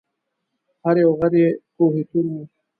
هر یو غر یې کوه طور و